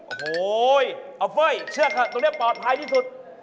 โอ้โหออฟเฟ่ยเชื่อค่ะตรงนี้ปลอดภัยที่สุด